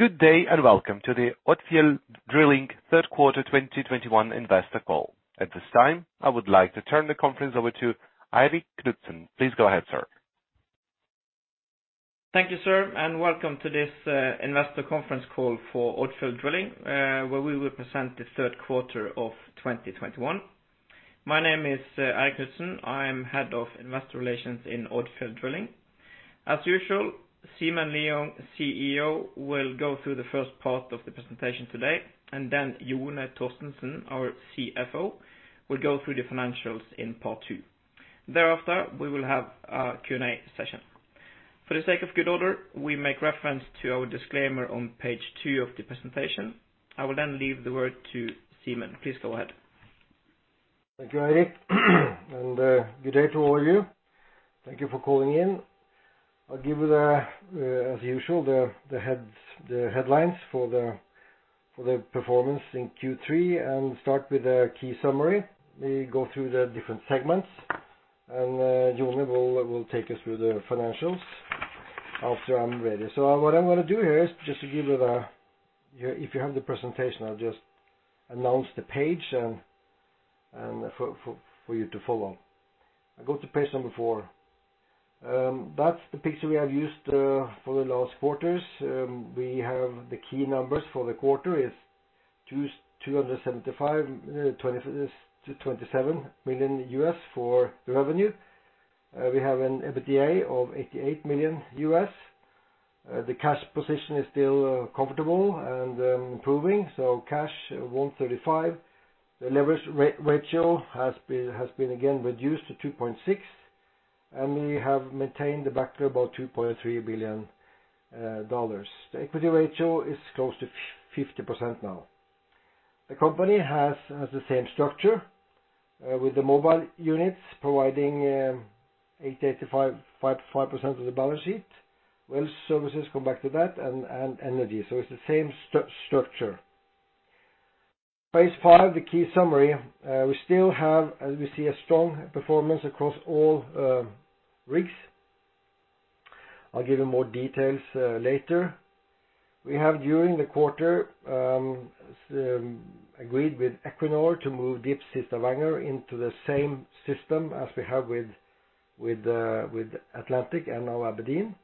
Good day, and Welcome to the Odfjell Drilling Third Quarter 2021 Investor Call. At this time, I would like to turn the conference over to Eirik Knudsen. Please go ahead, sir. Thank you, sir, and welcome to this investor conference call for Odfjell Drilling, where we will present the third quarter of 2021. My name is Eirik Knudsen. I am Head of Investor Relations in Odfjell Drilling. As usual, Simen Lieungh, CEO, will go through the first part of the presentation today, and then Jone Torstensen, our CFO, will go through the financials in part two. Thereafter, we will have a Q&A session. For the sake of good order, we make reference to our disclaimer on page two of the presentation. I will then leave the word to Simen. Please go ahead. Thank you, Eirik. Good day to all of you. Thank you for calling in. I'll give you, as usual, the headlines for the performance in Q3 and start with the key summary. We go through the different segments, and Jone will take us through the financials after I'm ready. What I'm gonna do here is just to give you. If you have the presentation, I'll just announce the page and for you to follow. I go to page number four. That's the picture we have used for the last quarters. We have the key numbers for the quarter is $275.27 million for revenue. We have an EBITDA of $88 million. The cash position is still comfortable and improving, so cash $135 million. The leverage ratio has been again reduced to 2.6x, and we have maintained the backlog about $2.3 billion. The equity ratio is close to 50% now. The company has the same structure with the mobile units providing 85% of the balance sheet. Well services, come back to that, and energy. It's the same structure. Page five, the key summary. We still have, as we see, a strong performance across all rigs. I'll give you more details later. We have during the quarter agreed with Equinor to move Deepsea Stavanger into the same system as we have with Atlantic and now Aberdeen.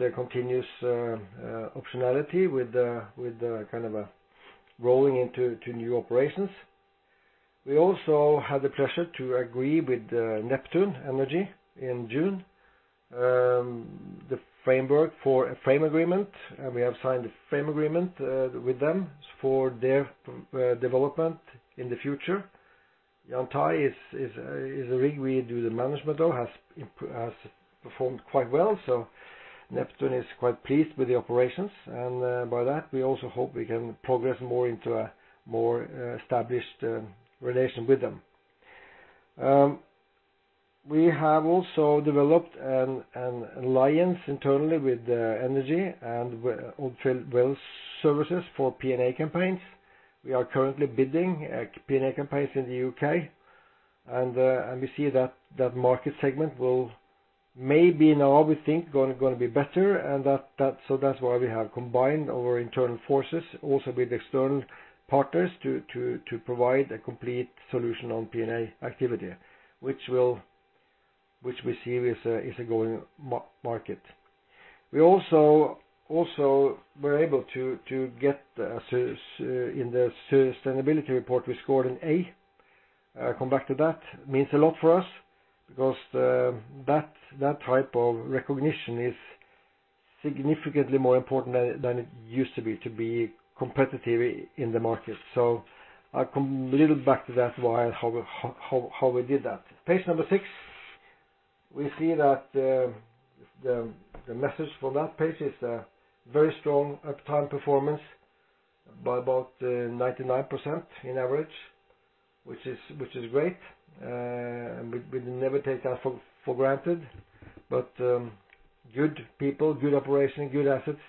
The continuous optionality with the kind of a rolling into new operations. We also had the pleasure to agree with Neptune Energy in June the framework for a frame agreement, and we have signed the frame agreement with them for their development in the future. Deepsea Yantai is a rig we do the management of, has performed quite well, so Neptune is quite pleased with the operations. By that, we also hope we can progress more into a more established relation with them. We have also developed an alliance internally with the energy and Odfjell Well Services for P&A campaigns. We are currently bidding P&A campaigns in the U.K., and we see that market segment will maybe now we think gonna be better and that. That's why we have combined our internal forces also with external partners to provide a complete solution on P&A activity, which we see is a growing market. We also were able to get in the sustainability report, we scored an A. I'll come back to that. Means a lot for us because that type of recognition is significantly more important than it used to be to be competitive in the market. I come a little back to that why and how we did that. Page number six. We see that the message for that page is a very strong uptime performance by about 99% on average, which is great. We never take that for granted. Good people, good operation, good assets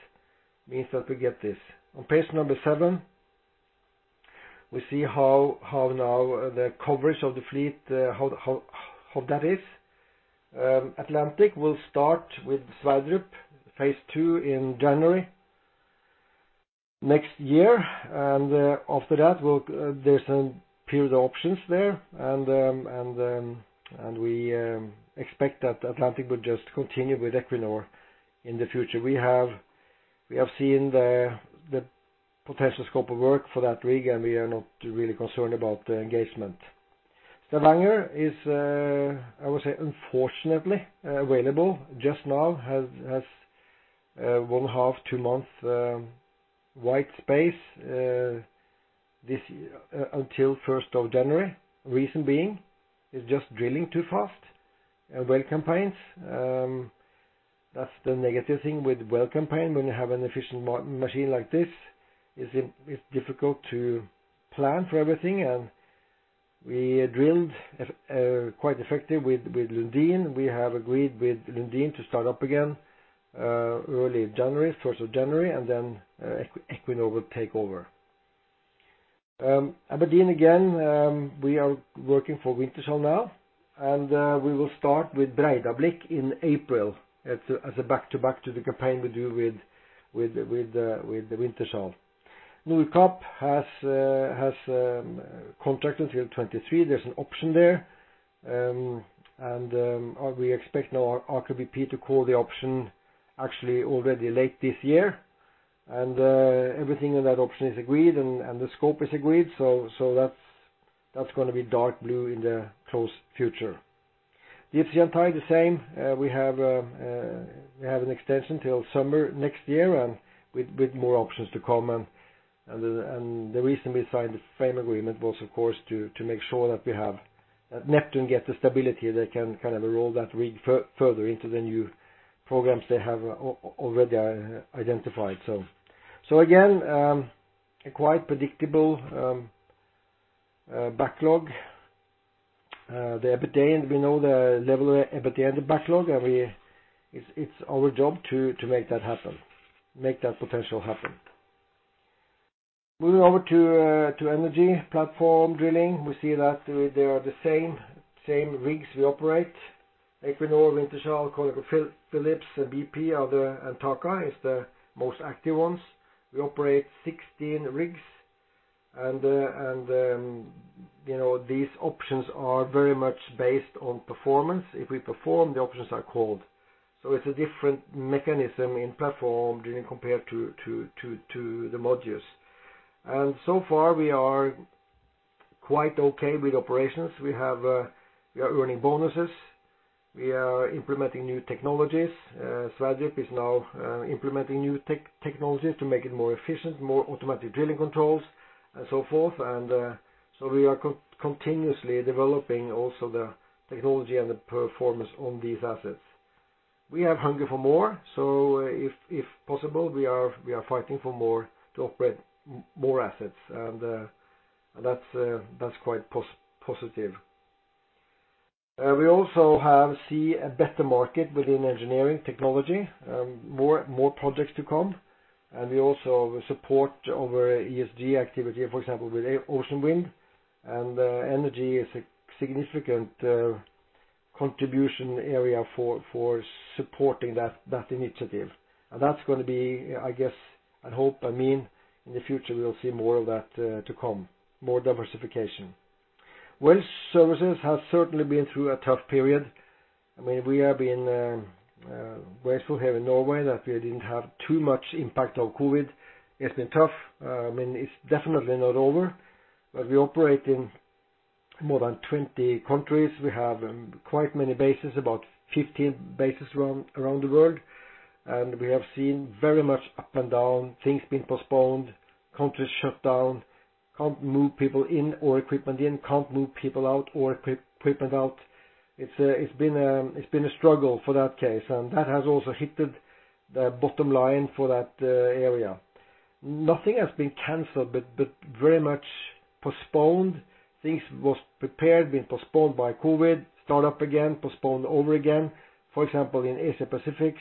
means that we get this. On page seven, we see how now the coverage of the fleet, how that is. Atlantic will start with Sverdrup phase II in January next year, and after that, there's some period options there. We expect that Atlantic will just continue with Equinor in the future. We have seen the potential scope of work for that rig, and we are not really concerned about the engagement. Stavanger is, I would say, unfortunately available just now, has one and a half to two months white space this year until January 1st. Reason being, it's just drilling too fast, well campaigns. That's the negative thing with well campaign. When you have an efficient machine like this, it's difficult to plan for everything, and we drilled quite effective with Lundin. We have agreed with Lundin to start up again early January, first of January, and then Equinor will take over. Aberdeen again, we are working for Wintershall now, and we will start with Breidablikk in April as a back-to-back to the campaign we do with the Wintershall. Deepsea Nordkapp has contract until 2023. There's an option there. We expect now Aker BP to call the option actually already late this year. Everything in that option is agreed and the scope is agreed. So that's gonna be firm in the close future. The Deepsea Yantai the same. We have an extension till summer next year and with more options to come and the reason we signed the same agreement was, of course, to make sure that Neptune gets the stability they can kind of roll that rig further into the new programs they have already identified. Again, a quite predictable backlog. The Aberdeen, we know the level of Aberdeen backlog, and it's our job to make that happen, make that potential happen. Moving over to energy platform drilling, we see that they are the same rigs we operate. Equinor, Wintershall Dea, ConocoPhillips, and BP, and Aker BP are the most active ones. We operate 16 rigs and you know, these options are very much based on performance. If we perform, the options are called. It's a different mechanism in platform drilling compared to the MODUs. So far we are quite okay with operations. We have we are earning bonuses. We are implementing new technologies. Sverdrup is now implementing new technologies to make it more efficient, more automatic drilling controls and so forth. We are continuously developing also the technology and the performance on these assets. We have hunger for more, so if possible, we are fighting for more to operate more assets, and that's quite positive. We also have seen a better market within engineering technology, more projects to come, and we also support our ESG activity, for example, with Oceanwind. Engineering is a significant contribution area for supporting that initiative. That's gonna be, I guess, I hope, I mean, in the future we'll see more of that, to come, more diversification. Well, services have certainly been through a tough period. I mean, we have been grateful here in Norway that we didn't have too much impact of COVID. It's been tough. I mean, it's definitely not over. We operate in more than 20 countries. We have quite many bases, about 15 bases around the world. We have seen very much up and down, things being postponed, countries shut down, can't move people in or equipment in, can't move people out or equipment out. It's been a struggle for that case. That has also hit the bottom line for that area. Nothing has been canceled but very much postponed. Things was prepared, been postponed by COVID, start up again, postponed over again. For example, in Asia-Pacific,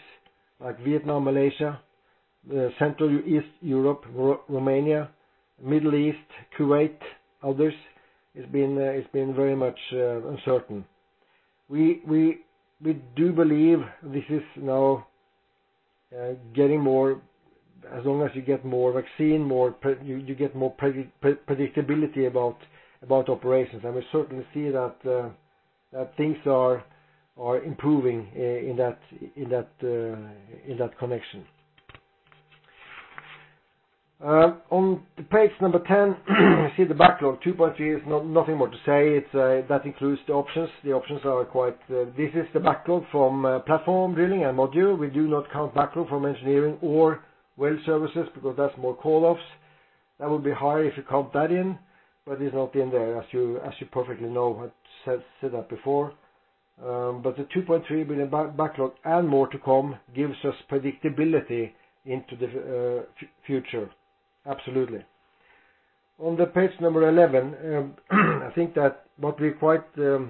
like Vietnam, Malaysia, Central East Europe, Romania, Middle East, Kuwait, others, it's been very much uncertain. We do believe this is now getting more. As long as you get more vaccine, you get more predictability about operations. We certainly see that things are improving in that connection. On page 10, you see the backlog, 2.3. There's nothing more to say. It's that includes the options. The options are quite. This is the backlog from platform drilling and module. We do not count backlog from engineering or well services because that's more call-offs. That would be higher if you count that in, but it's not in there, as you perfectly know, I've said that before. The $2.3 billion backlog and more to come gives us predictability into the future. Absolutely. On page 11, I think that what we are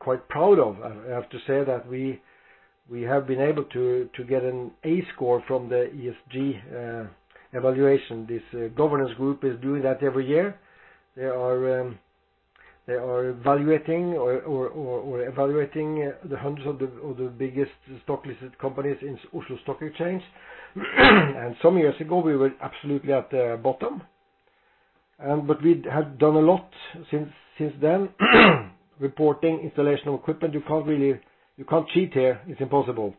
quite proud of, I have to say that we have been able to get an A score from the ESG evaluation. This Governance Group is doing that every year. They are evaluating 100s of the biggest listed companies in the Oslo Stock Exchange. Some years ago, we were absolutely at the bottom. We have done a lot since then reporting installation of equipment. You can't really cheat here. It's impossible.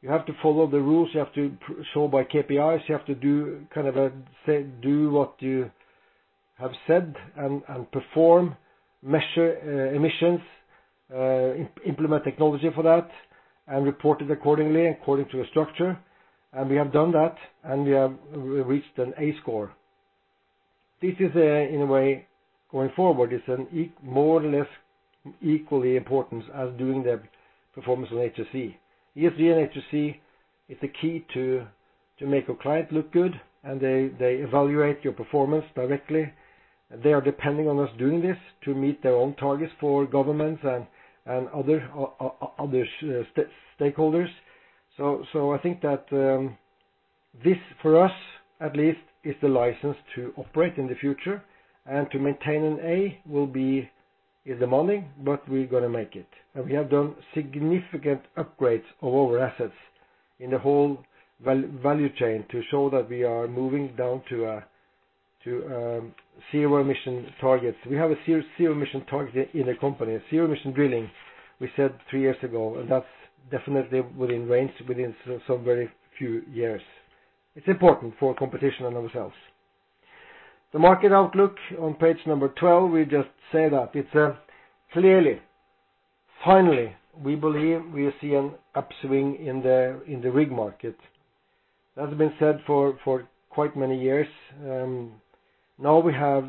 You have to follow the rules. You have to show by KPIs. You have to do kind of a say, do what you have said and perform, measure emissions, implement technology for that, and report it accordingly, according to a structure. We have done that, and we have reached an A score. This is a, in a way, going forward, it's more or less equally important as doing the performance on HSE. ESG and HSE is the key to make a client look good, and they evaluate your performance directly. They are depending on us doing this to meet their own targets for governments and other stakeholders. I think that this for us at least is the license to operate in the future and to maintain an A will be in the money, but we're gonna make it. We have done significant upgrades of all our assets in the whole value chain to show that we are moving down to zero emission targets. We have a zero emission target in the company, a zero emission drilling, we said three years ago, and that's definitely within range within so very few years. It's important for competition and ourselves. The market outlook on page 12, we just say that it's clearly finally, we believe we see an upswing in the rig market. That's been said for quite many years. Now we have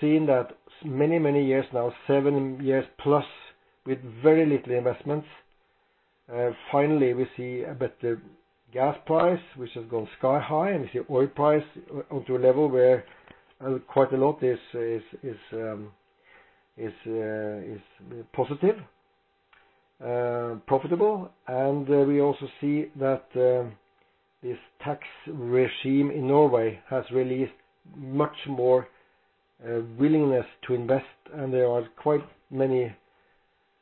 seen that many years now, seven years plus with very little investments. Finally we see a better gas price, which has gone sky high, and we see oil price onto a level where quite a lot is positive, profitable. We also see that this tax regime in Norway has released much more willingness to invest. There are quite many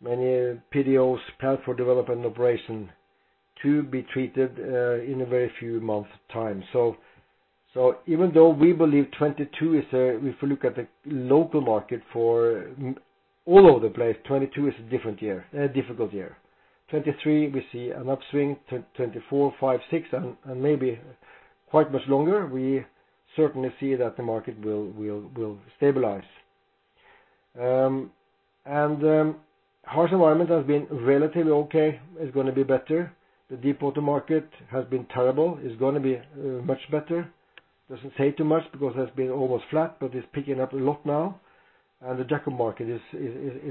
PDOs, Plans for Development and Operation to be treated in a very few months' time. Even though we believe 2022 is a difficult year. If we look at the local market for MODUs all over the place, 2022 is a different year, a difficult year. 2023, we see an upswing, 2024, 2025, 2026, and maybe quite much longer. We certainly see that the market will stabilize. Harsh environment has been relatively okay, is gonna be better. The deepwater market has been terrible, is gonna be much better. Doesn't say too much because it's been almost flat, but it's picking up a lot now, and the jack-up market is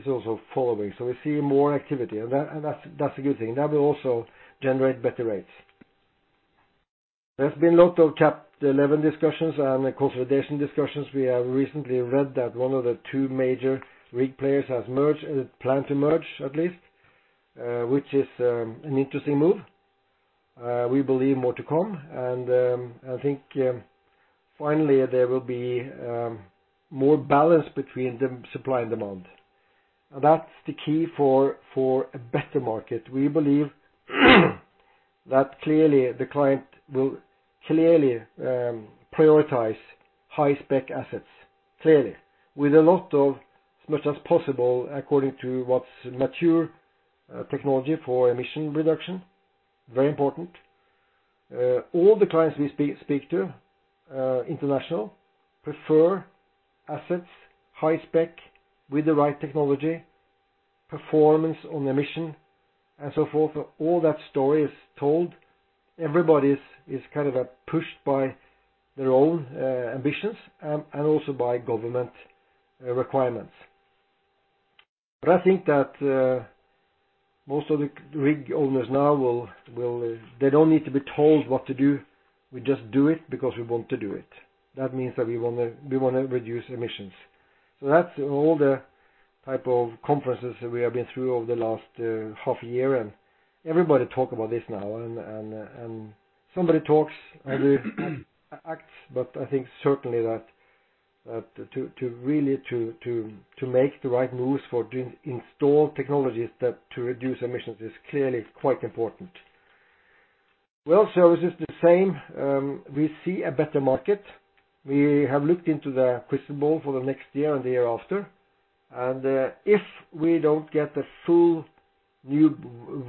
also following. We're seeing more activity and that's a good thing. That will also generate better rates. There's been a lot of CapEx inflation discussions and consolidation discussions. We have recently read that one of the two major rig players plans to merge at least, which is an interesting move. We believe more to come, and I think finally there will be more balance between the supply and demand. That's the key for a better market. We believe that clearly the client will clearly prioritize high spec assets, clearly, with a lot of, as much as possible, according to what's mature technology for emission reduction, very important. All the clients we speak to, international, prefer assets, high spec with the right technology, performance on emission and so forth. All that story is told. Everybody is kind of pushed by their own ambitions and also by government requirements. I think that most of the rig owners now will. They don't need to be told what to do. We just do it because we want to do it. That means that we wanna reduce emissions. That's all the type of conferences that we have been through over the last half year, and everybody talk about this now and somebody talks and acts. I think certainly that to really make the right moves for the installed technologies that to reduce emissions is clearly quite important. Well services the same. We see a better market. We have looked into the crystal ball for the next year and the year after. If we don't get the full new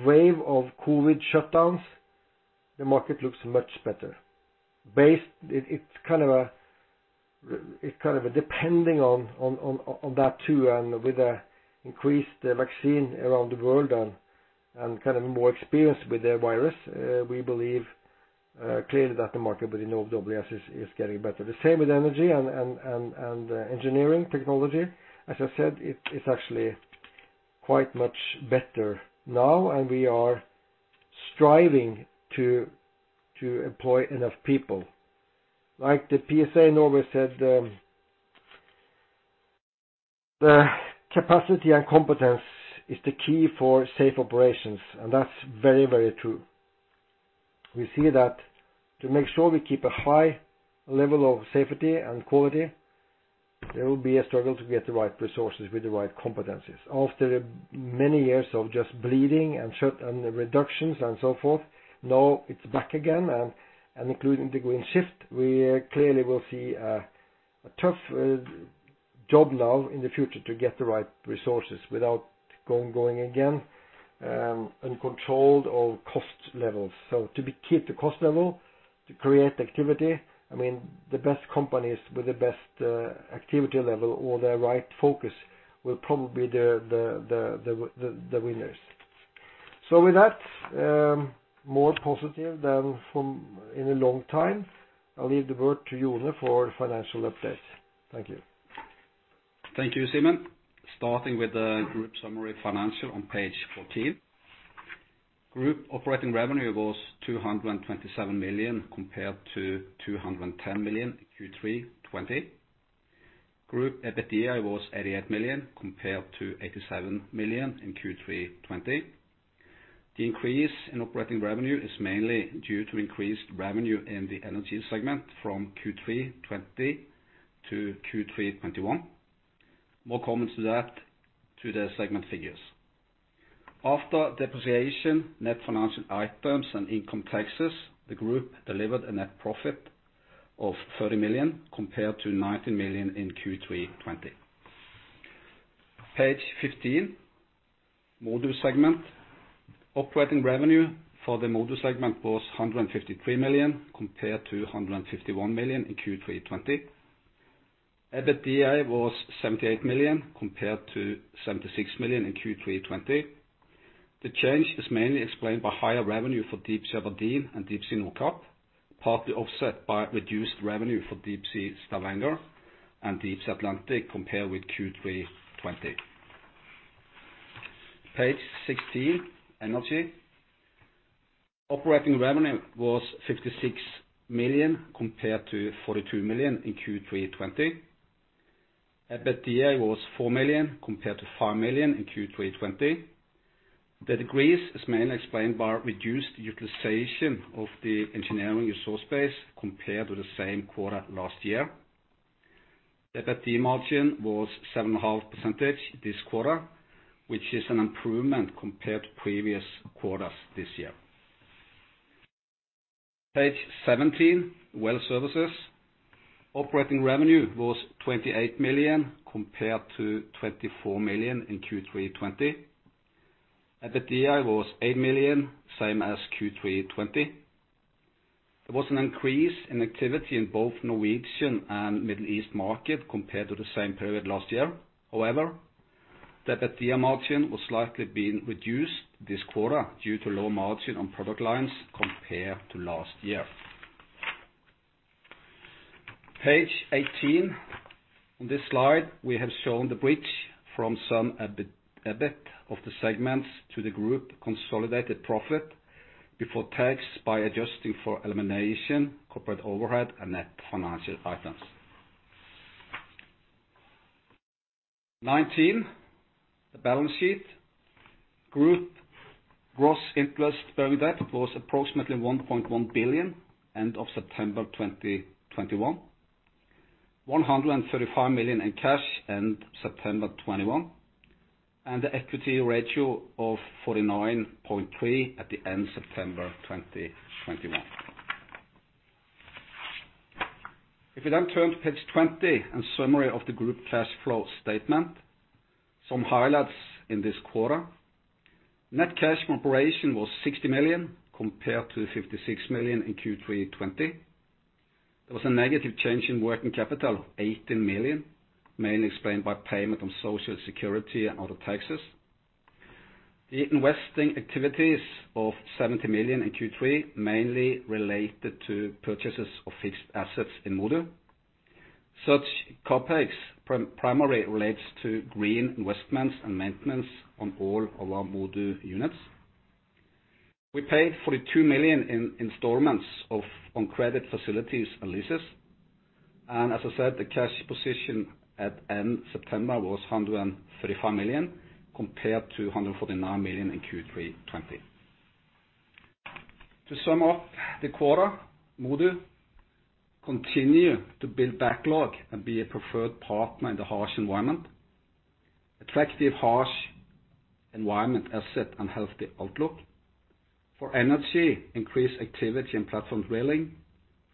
wave of COVID shutdowns, the market looks much better. It's kind of a depending on that too, and with the increased vaccine around the world and kind of more experience with the virus, we believe clearly that the market within OWS is getting better. The same with energy and engineering technology. As I said, it's actually quite much better now, and we are striving to employ enough people. Like the PSA Norway said, the capacity and competence is the key for safe operations, and that's very true. We see that to make sure we keep a high level of safety and quality, there will be a struggle to get the right resources with the right competencies. After many years of just bleeding and reductions and so forth, now it's back again and including the green shift, we clearly will see a tough job now in the future to get the right resources without going again uncontrolled or cost levels. To keep the cost level, to create activity, I mean, the best companies with the best activity level or the right focus will probably be the winners. With that, more positive than in a long time, I'll leave the word to Jone for financial updates. Thank you. Thank you, Simen. Starting with the group summary financials on page 14. Group operating revenue was $227 million compared to $210 million in Q3 2020. Group EBITDA was $88 million compared to $87 million in Q3 2020. The increase in operating revenue is mainly due to increased revenue in the Energy segment from Q3 2020 to Q3 2021. More comments on that in the segment figures. After depreciation, net financial items and income taxes, the group delivered a net profit of $30 million compared to $19 million in Q3 2020. Page 15. MODU segment. Operating revenue for the MODU segment was $153 million compared to $151 million in Q3 2020. EBITDA was $78 million compared to $76 million in Q3 2020. The change is mainly explained by higher revenue for Deepsea Aberdeen and Deepsea Nordkapp, partly offset by reduced revenue for Deepsea Stavanger and Deepsea Atlantic compared with Q3 2020. Page 16. Energy. Operating revenue was $56 million compared to $42 million in Q3 2020. EBITDA was $4 million compared to $5 million in Q3 2020. The decrease is mainly explained by reduced utilization of the engineering resource base compared with the same quarter last year. EBITDA margin was 7.5% this quarter, which is an improvement compared to previous quarters this year. Page 17. Well Services. Operating revenue was $28 million compared to $24 million in Q3 2020. EBITDA was $8 million, same as Q3 2020. There was an increase in activity in both Norwegian and Middle East market compared to the same period last year. However, the EBITDA margin was slightly been reduced this quarter due to low margin on product lines compared to last year. Page 18. On this slide, we have shown the bridge from sum EBIT of the segments to the group consolidated profit before tax by adjusting for elimination, corporate overhead, and net financial items. 19. The balance sheet. Group gross interest-bearing debt was approximately $1.1 billion end of September 2021. $135 million in cash end September 2021, and an equity ratio of 49.3% at the end September 2021. If you then turn to page 20 and summary of the group cash flow statement, some highlights in this quarter. Net cash from operation was $60 million compared to $56 million in Q3 2020. There was a negative change in working capital of $18 million, mainly explained by payment on Social Security and other taxes. The investing activities of $70 million in Q3 mainly related to purchases of fixed assets in MODU. Such CapEx primary relates to green investments and maintenance on all of our MODU units. We paid $42 million in installments on credit facilities and leases. As I said, the cash position at end September was $135 million, compared to $149 million in Q3 2020. To sum up the quarter, MODU continue to build backlog and be a preferred partner in the harsh environment. Attractive harsh environment asset and healthy outlook. For energy, increased activity in platform drilling,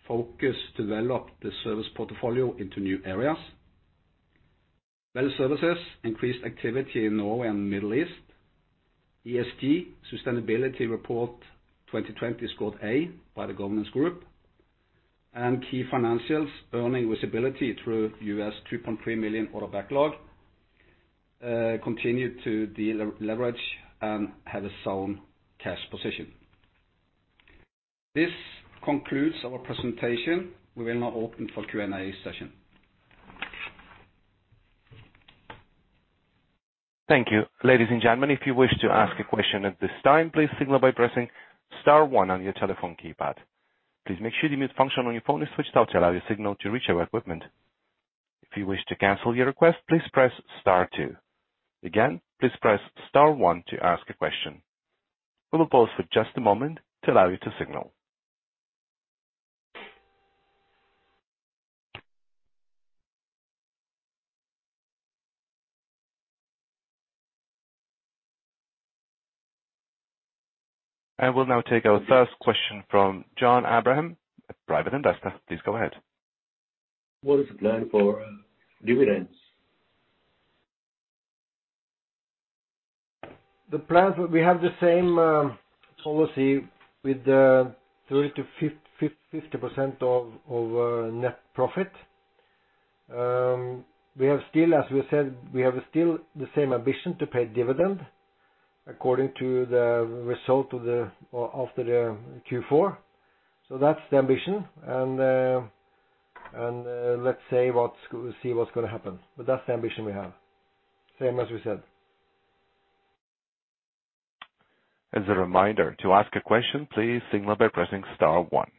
focus to develop the service portfolio into new areas. Well services, increased activity in Norway and Middle East. ESG Sustainability Report 2020 scored A by The Governance Group. Key financials, earning visibility through $3.3 million order backlog, continue to deleverage and have a sound cash position. This concludes our presentation. We will now open for Q&A session. Thank you. Ladies and gentlemen, if you wish to ask a question at this time, please signal by pressing star one on your telephone keypad. Please make sure the mute function on your phone is switched off to allow your signal to reach our equipment. If you wish to cancel your request, please press star two. Again, please press star one to ask a question. We will pause for just a moment to allow you to signal. I will now take our first question from John Abraham, a private investor. Please go ahead. What is the plan for dividends? The plans, we have the same policy with the 30%-50% of net profit. We have still, as we said, we have still the same ambition to pay dividend according to the result after the Q4. That's the ambition and, let's say, we'll see what's gonna happen. That's the ambition we have. Same as we said. As a reminder, to ask a question, please signal by pressing star one.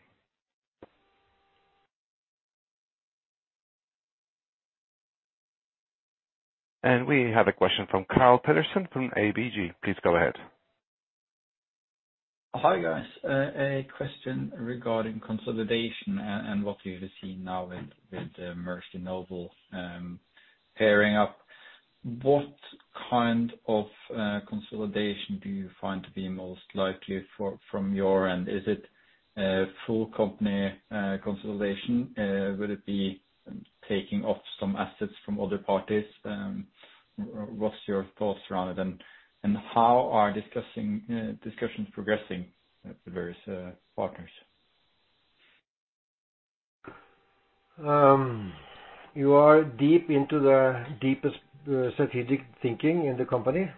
We have a question from Carl Peterson from ABG. Please go ahead. Hi, guys. A question regarding consolidation and what we've seen now with Maersk and Noble pairing up. What kind of consolidation do you find to be most likely from your end? Is it a full company consolidation? Would it be taking off some assets from other parties? What's your thoughts around it, and how discussions are progressing with the various partners? You are deep into the deepest strategic thinking in the company.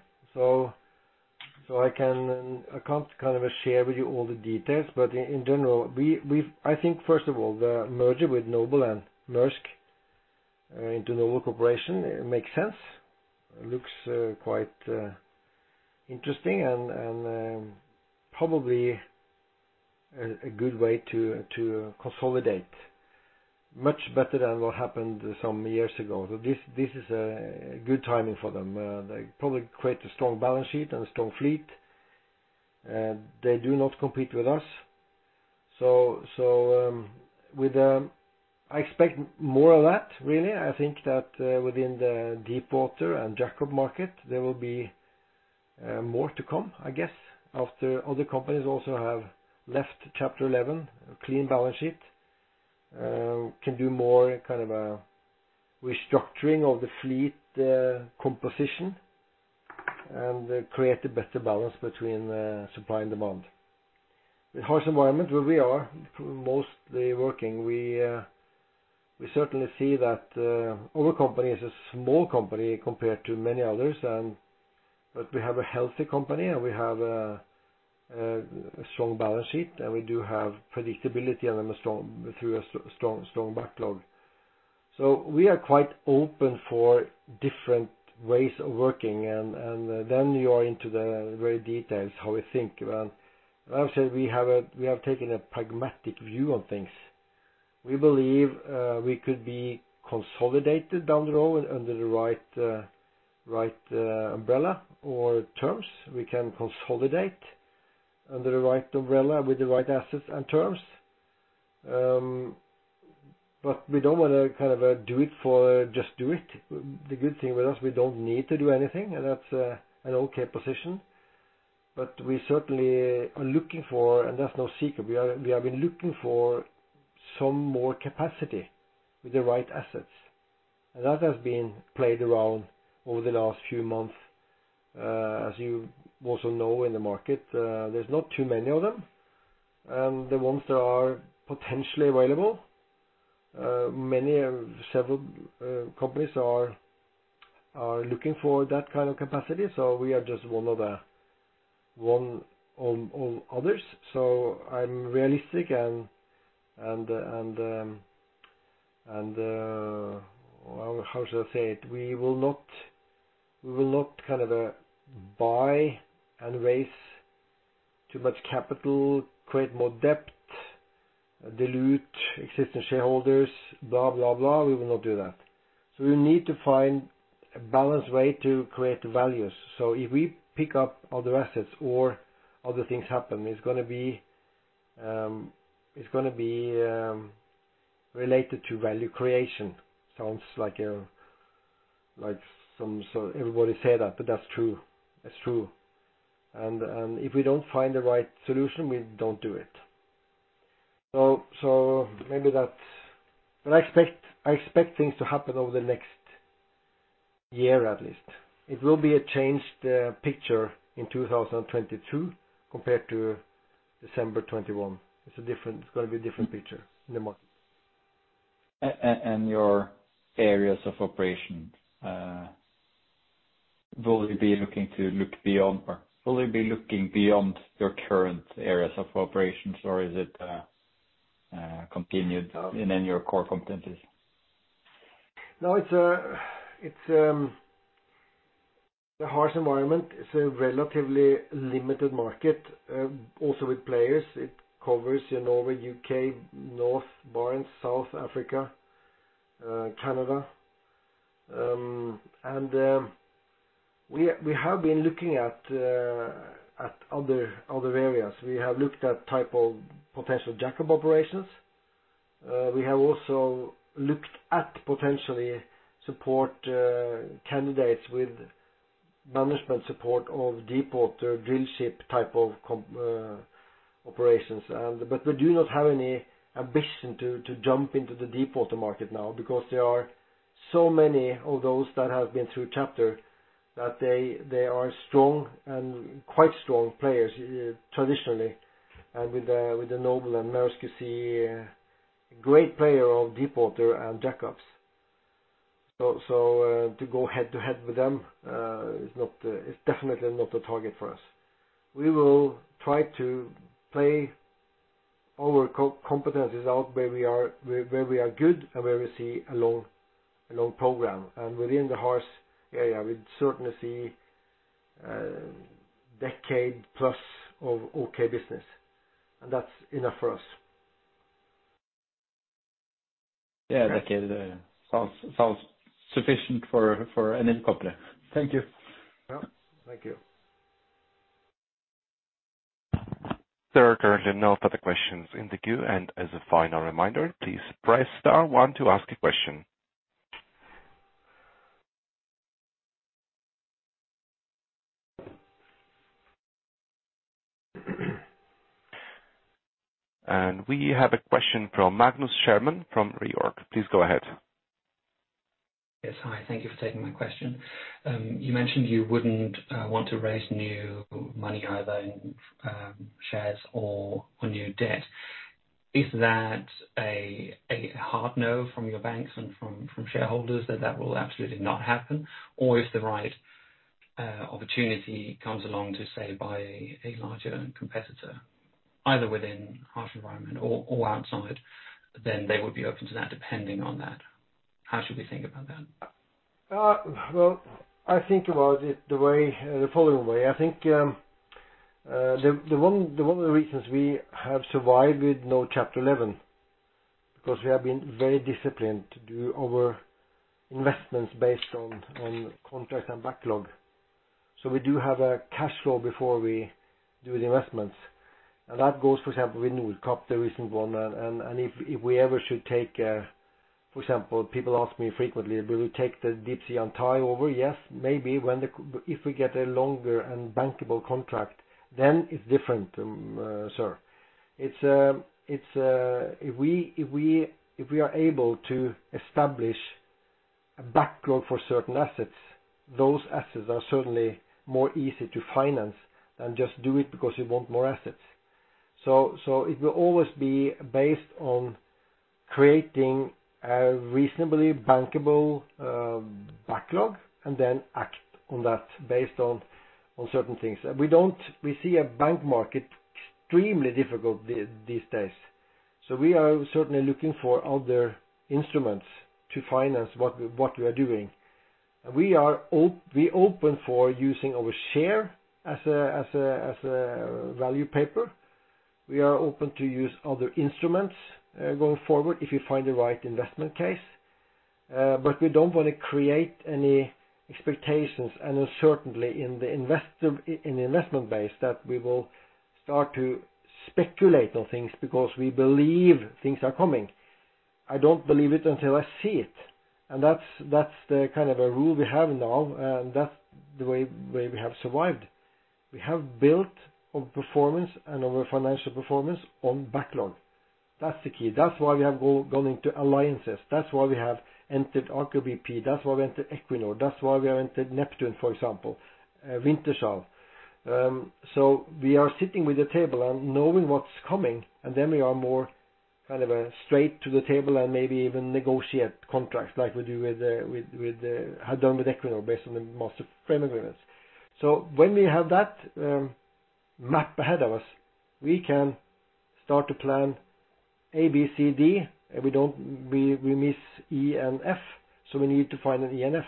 I can't kind of share with you all the details, but in general, I think, first of all, the merger with Noble and Maersk into Noble Corporation, it makes sense. It looks quite interesting and probably a good way to consolidate. Much better than what happened some years ago. This is a good timing for them. They probably create a strong balance sheet and a strong fleet. They do not compete with us. I expect more of that, really. I think that within the deepwater and jackup market, there will be more to come, I guess, after other companies also have left chapter eleven. A clean balance sheet can do more kind of a restructuring of the fleet composition, and create a better balance between the supply and demand. The harsh environment where we are mostly working, we certainly see that our company is a small company compared to many others. We have a healthy company, and we have a strong balance sheet, and we do have predictability through a strong backlog. We are quite open for different ways of working, and then you are into the very details how we think. Like I said, we have taken a pragmatic view on things. We believe we could be consolidated down the road under the right umbrella or terms. We can consolidate under the right umbrella with the right assets and terms. We don't wanna kind of do it just to do it. The good thing with us, we don't need to do anything, and that's an okay position. We certainly are looking for, and that's no secret, we are, we have been looking for some more capacity with the right assets. That has been played around over the last few months, as you also know, in the market. There's not too many of them. The ones that are potentially available, several companies are looking for that kind of capacity, so we are just one of the others. I'm realistic and how should I say it? We will not kind of buy and raise too much capital, create more debt, dilute existing shareholders, blah, blah. We will not do that. We need to find a balanced way to create values. If we pick up other assets or other things happen, it's gonna be related to value creation. Sounds like everybody say that, but that's true. That's true. If we don't find the right solution, we don't do it. Maybe that. I expect things to happen over the next year, at least. It will be a changed picture in 2022 compared to December 2021. It's gonna be a different picture in the market. Your areas of operation, will you be looking beyond your current areas of operations or is it continued in any of your core competencies? No, it's the harsh environment is a relatively limited market, also with players. It covers, you know, U.K., North Barents, South Africa, Canada. We have been looking at other areas. We have looked at type of potential jackup operations. We have also looked at potential support candidates with management support of deepwater drillship type of operations. We do not have any ambition to jump into the deepwater market now because there are so many of those that have been through chapter, that they are strong and quite strong players traditionally. With the Noble and Maersk, you see a great player of deepwater and jackups. To go head to head with them is definitely not the target for us. We will try to play our core competence out where we are good and where we see a long program. Within the harsh environment, we certainly see decade plus of okay business, and that's enough for us. Yeah. Okay. That sounds sufficient for an Thank you. Yeah. Thank you. There are currently no further questions in the queue. As a final reminder, please press star one to ask a question. We have a question from Magnus Scherman from Reorg. Please go ahead. Yes. Hi. Thank you for taking my question. You mentioned you wouldn't want to raise new money either in shares or new debt. Is that a hard no from your banks and from shareholders that will absolutely not happen? Or if the right opportunity comes along to, say, buy a larger competitor, either within harsh environment or outside, then they would be open to that depending on that. How should we think about that? I think about it the following way. I think one of the reasons we have survived with no Chapter 11, because we have been very disciplined to do our investments based on contracts and backlog. We do have a cash flow before we do the investments. That goes, for example, with the recent one. If we ever should take, for example, people ask me frequently, will we take the Deepsea Yantai over? Yes, maybe when, if we get a longer and bankable contract, then it's different. If we are able to establish a backlog for certain assets, those assets are certainly more easy to finance than just do it because we want more assets. It will always be based on creating a reasonably bankable backlog and then act on that based on certain things. We see a bank market extremely difficult these days. We are certainly looking for other instruments to finance what we are doing. We're open for using our share as a value paper. We are open to use other instruments going forward, if you find the right investment case. We don't wanna create any expectations and uncertainty in the investment base that we will start to speculate on things because we believe things are coming. I don't believe it until I see it. That's the kind of a rule we have now, and that's the way we have survived. We have built our performance and our financial performance on backlog. That's the key. That's why we have gone into alliances. That's why we have entered Aker BP. That's why we entered Equinor. That's why we entered Neptune, for example, Wintershall. We are sitting at the table and knowing what's coming, and then we are more kind of a seat at the table and maybe even negotiate contracts like we had done with Equinor based on the master framework agreements. When we have that map ahead of us, we can start to plan A, B, C, D, and we miss E and F, so we need to find an E and F.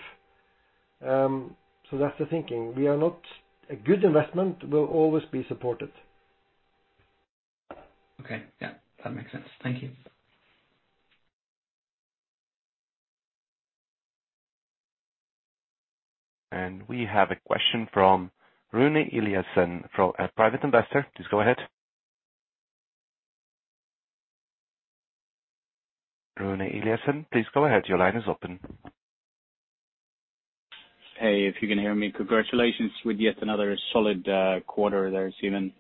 That's the thinking. We are a good investment, we'll always be supported. Okay. Yeah, that makes sense. Thank you. We have a question from Rune Eliasen from a private investor. Please go ahead. Rune Eliasen, please go ahead. Your line is open. Hey, if you can hear me, congratulations with yet another solid quarter there, Simen.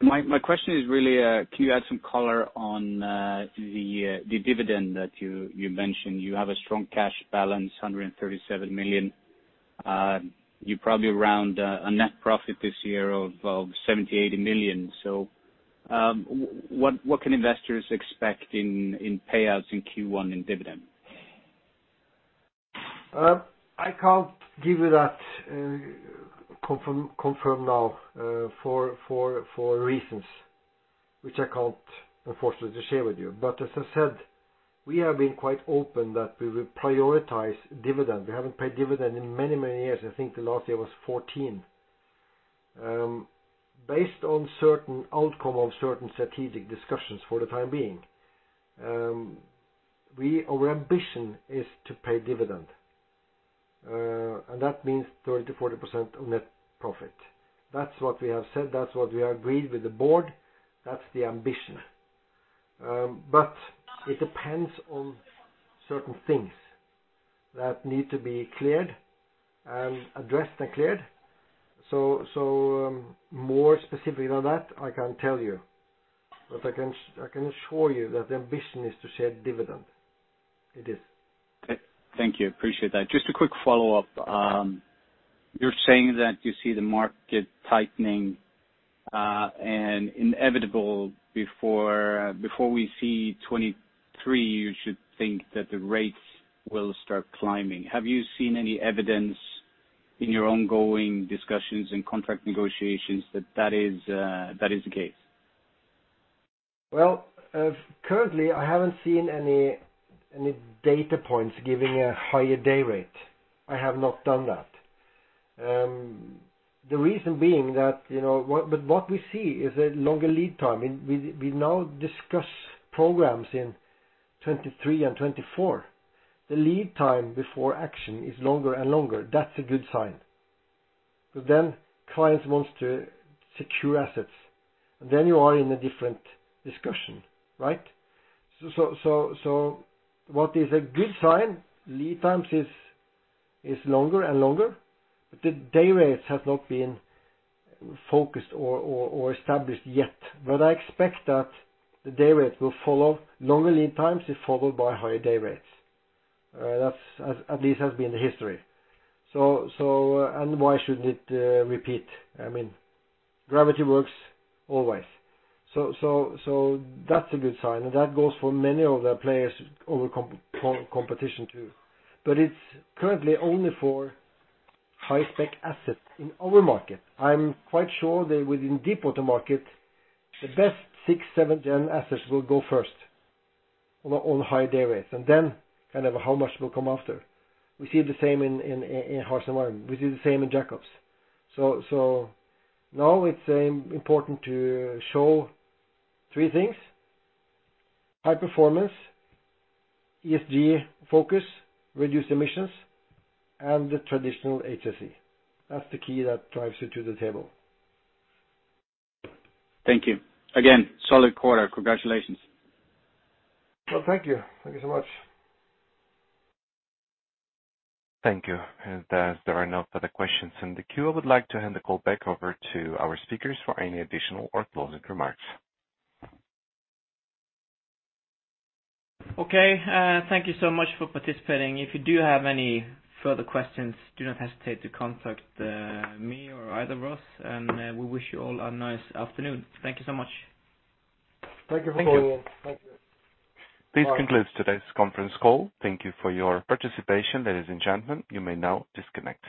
My question is really, can you add some color on the dividend that you mentioned? You have a strong cash balance, $137 million. You're probably around a net profit this year of $70 million-$80 million. What can investors expect in payouts in Q1 in dividend? I can't give you that confirmation now, for reasons which I can't unfortunately share with you. As I said, we have been quite open that we will prioritize dividend. We haven't paid dividend in many, many years. I think the last year was 2014. Based on certain outcome of certain strategic discussions for the time being, our ambition is to pay dividend, and that means 30%-40% of net profit. That's what we have said, that's what we agreed with the board, that's the ambition. It depends on certain things that need to be cleared and addressed and cleared. More specifically than that, I can't tell you. I can assure you that the ambition is to share dividend. It is. Okay. Thank you. Appreciate that. Just a quick follow-up. You're saying that you see the market tightening and inevitable before we see 2023. You'd think that the rates will start climbing. Have you seen any evidence in your ongoing discussions and contract negotiations that that is the case. Well, currently, I haven't seen any data points giving a higher day rate. I have not done that. The reason being that, you know, but what we see is a longer lead time. We now discuss programs in 2023 and 2024. The lead time before action is longer and longer. That's a good sign. Clients wants to secure assets. You are in a different discussion, right? What is a good sign? Lead times is longer and longer, but the day rates have not been focused or established yet. I expect that the day rates will follow. Longer lead times is followed by higher day rates. That's, at least, has been the history. Why shouldn't it repeat? I mean, gravity works always. That's a good sign. That goes for many of the players over competition too. It's currently only for high-spec assets in our market. I'm quite sure that within deepwater market, the best six, seven gen assets will go first on high day rates, and then kind of how much will come after. We see the same in harsh environment. We see the same in jackups. Now it's important to show three things, high performance, ESG focus, reduced emissions, and the traditional HSE. That's the key that drives you to the table. Thank you. Again, solid quarter. Congratulations. Well, thank you. Thank you so much. Thank you. As there are no further questions in the queue, I would like to hand the call back over to our speakers for any additional or closing remarks. Okay. Thank you so much for participating. If you do have any further questions, do not hesitate to contact me or either of us. We wish you all a nice afternoon. Thank you so much. Thank you for calling in. Thank you. Thank you. This concludes today's conference call. Thank you for your participation. Ladies and gentlemen, you may now disconnect.